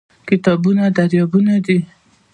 کتابونه دريابونه دي